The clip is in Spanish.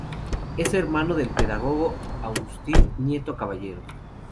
Es hermano del pedagogo Agustín Nieto Caballero.